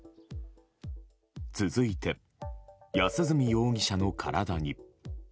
続いて、安栖容疑者の体に。